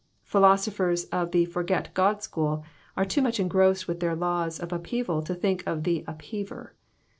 Philosophers of the forget God school are too much engrossed with their laws of upheaval to think of the Upheaver.